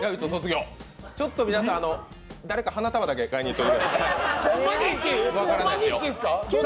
ちょっと皆さん誰か花束だけ買いに行って。